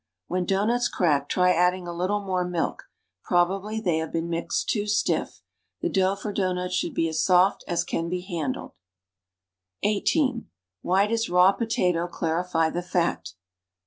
When doughnuts crack, try adding a little more milk; prob ably they have been mixed too stiff. The dough for dough nuts should be as soft as can be handled. (18) Why does raw potato clarify the fat?